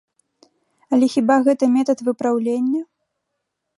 Але хіба гэта метад выпраўлення?